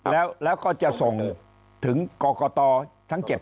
แล้วแล้วก็จะส่งถึงกรกตทั้ง๗ครับ